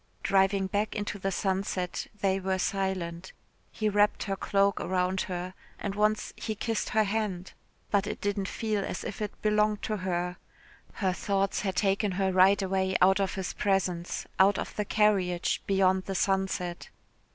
Driving back into the sunset they were silent. He wrapped her cloak round her, and once he kissed her hand, but it didn't feel as if it belonged to her. Her thoughts had taken her right away out of his presence, out of the carriage beyond the sunset.